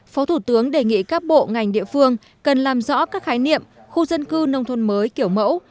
phó thủ tướng đề nghị các bộ ngành địa phương cần làm rõ các khái niệm khu dân cư nông thôn mới kiểu mẫu